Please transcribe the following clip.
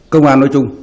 công an nói chung